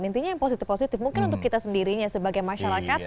intinya yang positif positif mungkin untuk kita sendirinya sebagai masyarakat